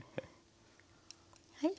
はい。